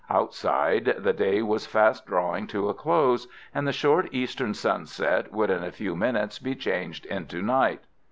Outside, the day was fast drawing to a close, and the short eastern sunset would in a few minutes be changed into night.